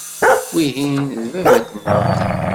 Wihin d baba-tneɣ.